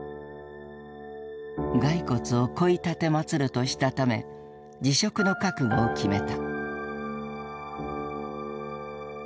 「骸骨を乞ひ奉る」としたため辞職の覚悟を決めた。